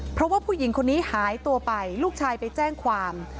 เพราะว่าผู้หญิงคนนี้หายตัวไปลูกชายไปแจ้งความ